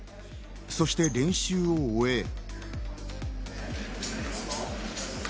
そして練習を終え。